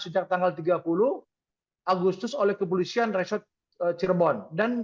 sejak tanggal tiga puluh agustus oleh kepolisian resort cirebon